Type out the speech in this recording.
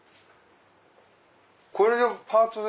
これがパーツ。